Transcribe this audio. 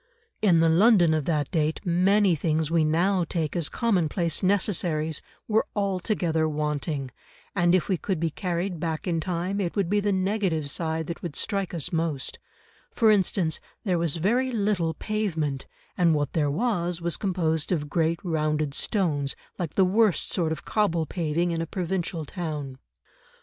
In the London of that date, many things we now take as commonplace necessaries were altogether wanting, and if we could be carried back in time it would be the negative side that would strike us most; for instance, there was very little pavement, and what there was was composed of great rounded stones like the worst sort of cobble paving in a provincial town.